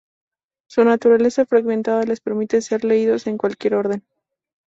Su naturaleza fragmentada les permite ser leídos en cualquier orden.